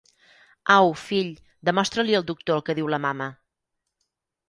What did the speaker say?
Au, fill, demostra-li al doctor el que diu la mama.